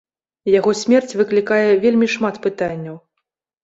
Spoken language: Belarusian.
Яго смерць выклікае вельмі шмат пытанняў.